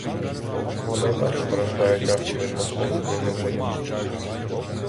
Вона й так страждає тяжко від московської неволі.